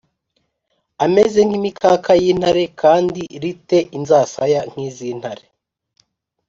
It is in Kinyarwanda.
Ameze nk imikaka y intare kandi ri te inzasaya nk iz intare